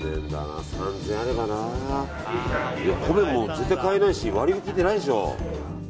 絶対買えないし割引やってないでしょう。